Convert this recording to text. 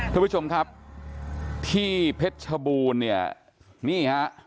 ผู้ชมครับที่เพศชบูนนี่ค่ะ